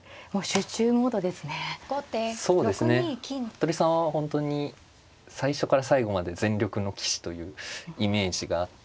服部さんは本当に最初から最後まで全力の棋士というイメージがあって。